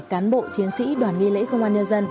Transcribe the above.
cán bộ chiến sĩ đoàn nghi lễ công an nhân dân